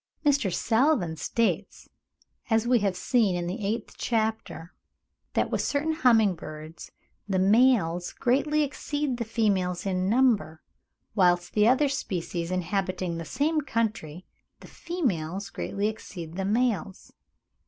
Mr. Salvin states, as we have seen in the eighth chapter, that with certain humming birds the males greatly exceed the females in number, whilst with other species inhabiting the same country the females greatly exceed the males.